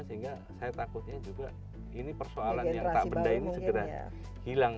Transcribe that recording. sehingga saya takutnya juga ini persoalan yang tak benda ini segera hilang